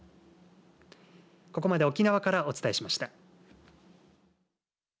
ここまで沖縄からお伝えしました。